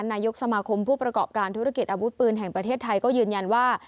นายกสมาคมผู้ประกอบการธุรกิจอาวุธปืนแห่งประเทศไทยก็ยืนยันว่า